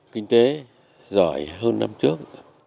kinh tế giỏi hơn năm trước